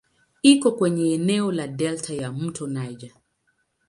Iko kwenye eneo la delta ya "mto Niger".